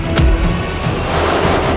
saya akan menjaga kebenaran raden